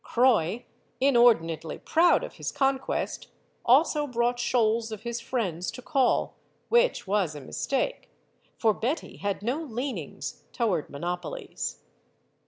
Croix, inordinately proud of his conquest, also brought shoals of his friends to call, which was a mistake ; for Betty had no leanings toward monopolies.